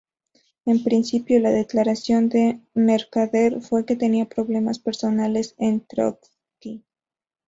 En principio, la declaración de Mercader fue que tenía problemas personales con Trotski.